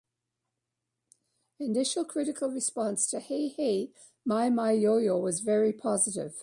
Initial critical response to "Hey Hey My My Yo Yo" was very positive.